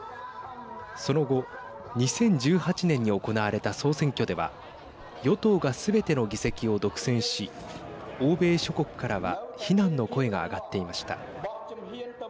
その後、２０１８年に行われた総選挙では与党がすべての議席を独占し欧米諸国からは非難の声が上がっていました。